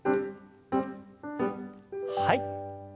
はい。